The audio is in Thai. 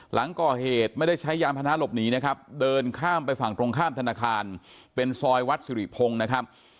หลังก่อเหตุไม่ได้ใช้ยานพนะหลบหนีนะครับเดินข้ามไปฝั่งตรงข้ามธนาคารเป็นซอยวัดสิริพงศ์นะครับ